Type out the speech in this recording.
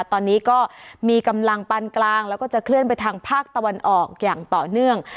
ตอนนี้ก็มีกำลังปานกลางแล้วก็จะเคลื่อนไปทางภาคตะวันออกอย่างต่อเนื่อง